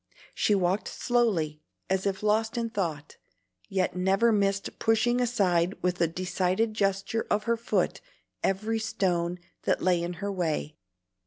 She walked slowly, as if lost in thought, yet never missed pushing aside with a decided gesture of her foot every stone that lay in her way.